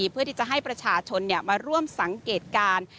เพื่อที่จะให้ประชาชนมาร่วมสังเกตการณ์